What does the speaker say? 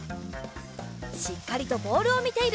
しっかりとボールをみている！